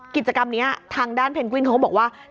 กิจกรรมนี้ทางด้านเพนกวินเขาบอกว่า